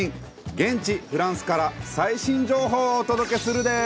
現地フランスから最新情報をお届けするで。